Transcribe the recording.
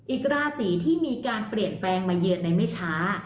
อีกราศีที่มีการเปลี่ยนแปลงมาเยือนในไม่ช้า